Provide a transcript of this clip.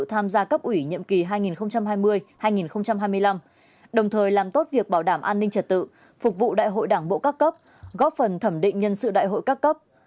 tham gia cấp ủy nhiệm kỳ hai nghìn hai mươi hai nghìn hai mươi năm đồng thời làm tốt việc bảo đảm an ninh trật tự phục vụ đại hội đảng bộ các cấp góp phần thẩm định nhân sự đại hội các cấp